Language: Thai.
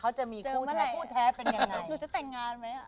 เขาจะมีคู่แท้เป็นอย่างไร